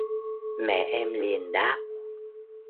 mẹ em liền đáp